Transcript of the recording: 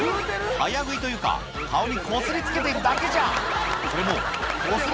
早食いというか、顔にこすりつけてるだけじゃん。